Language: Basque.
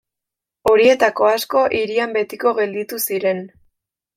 Horietako asko hirian betiko gelditu ziren.